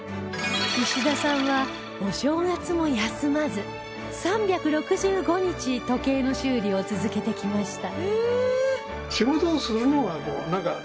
石田さんはお正月も休まず３６５日時計の修理を続けてきました